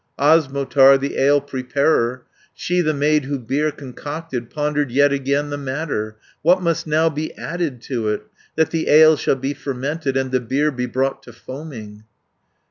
"Osmotar, the ale preparer, She the maid who beer concocted, Pondered yet again the matter, 'What must now be added to it, That the ale shall be fermented, And the beer be brought to foaming?'